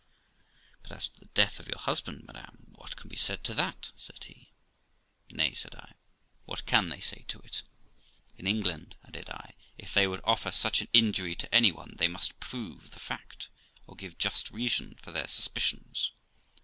'But as to the death of your husband, madam, what can be said to that ?' said he. ' Nay ', said J, 'what can they say to it? In England', added I, 'if they would offer such an injury to any one, they must prove the fact or give just reason for their suspicions.